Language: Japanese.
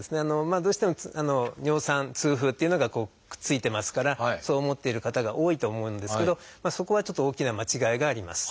まあどうしても尿酸痛風っていうのがくっついてますからそう思っている方が多いと思うんですけどそこはちょっと大きな間違いがあります。